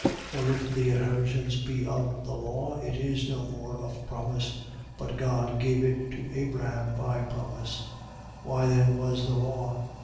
For if the inheritance be of the law, it is no more of promise. But God gave it to Abraham by promise. 3:19. Why then was the law?